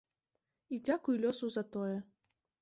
І дзякуй лёсу за тое.